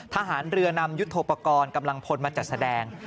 ทหารเรือนำยุทธโปรกรณ์กำลังพลมาจัดแสดง